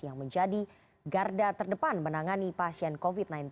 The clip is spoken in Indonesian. yang menjadi garda terdepan menangani pasien covid sembilan belas